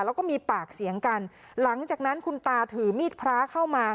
แล้วก็มีปากเสียงกันหลังจากนั้นคุณตาถือมีดพระเข้ามา